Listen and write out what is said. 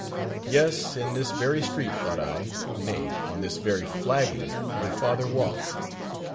Yes, in this very street, thought I, nay, on this very flagging my father walked.